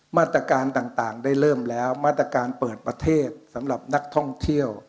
มาตรการต่างได้เริ่มแล้วมาตรการเปิดประเทศสำหรับนักท่องเที่ยว